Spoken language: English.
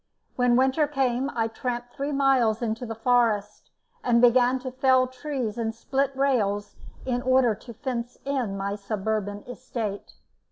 When winter came I tramped three miles into the forest, and began to fell trees and split rails in order to fence in my suburban estate.